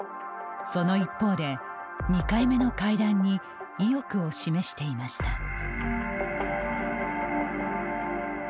その一方で、２回目の会談に意欲を示していました。